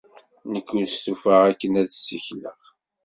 Nekk ur stufaɣ akken ad ssikleɣ.